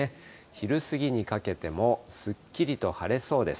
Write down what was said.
昼過ぎにかけてもすっきりと晴れそうです。